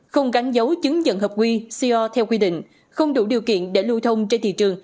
không gắn dấu chứng nhận hợp quy ceo theo quy định không đủ điều kiện để lưu thông trên thị trường